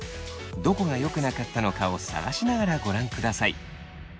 どこがよくなかったのかを探しながらご覧ください。